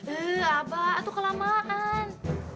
eh abah itu kelamaan